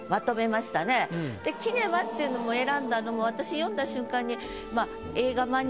「キネマ」っていうのも選んだのも私読んだ瞬間に。